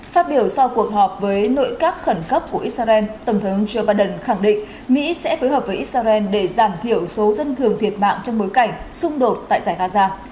phát biểu sau cuộc họp với nội các khẩn cấp của israel tổng thống joe biden khẳng định mỹ sẽ phối hợp với israel để giảm thiểu số dân thường thiệt mạng trong bối cảnh xung đột tại giải gaza